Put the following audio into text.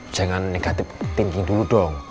jangan negatif thinking dulu dong